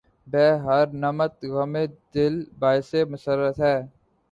بہ ہر نمط غمِ دل باعثِ مسرت ہے